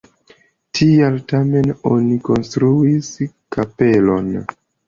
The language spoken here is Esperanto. Tial tamen oni konstruis kapelon.